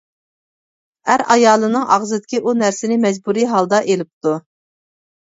ئەر ئايالىنىڭ ئاغزىدىكى ئۇ نەرسىنى مەجبۇرىي ھالدا ئېلىپتۇ.